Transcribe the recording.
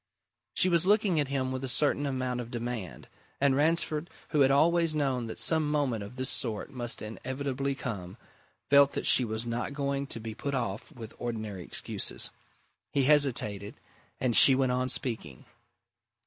She was looking at him with a certain amount of demand and Ransford, who had always known that some moment of this sort must inevitably come, felt that she was not going to be put off with ordinary excuses. He hesitated and she went on speaking.